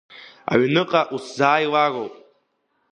Аҩныҟа усзааилароуп.